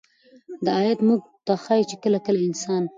دا آيت موږ ته ښيي چې كله كله انسان